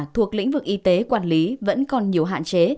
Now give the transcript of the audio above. thuộc lĩnh vực y tế quản lý vẫn còn nhiều hạn chế